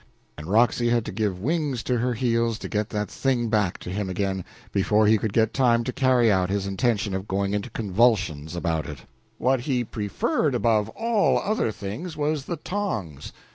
and Roxy had to give wings to her heels to get that thing back to him again before he could get time to carry out his intention of going into convulsions about it. What he preferred above all other things was the tongs.